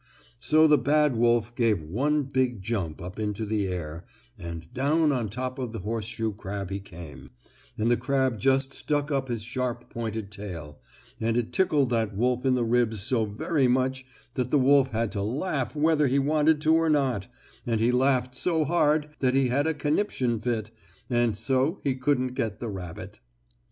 So the bad wolf gave one big jump up into the air, and down on top of the horseshoe crab he came, and the crab just stuck up his sharp pointed tail, and it tickled that wolf in the ribs so very much that the wolf had to laugh whether he wanted to or not, and he laughed so hard that he had a conniption fit, and so he couldn't get the rabbit.